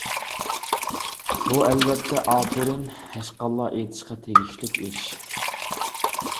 بۇ ئەلۋەتتە ئاپىرىن، ھەشقاللا ئېيتىشقا تېگىشلىك ئىش.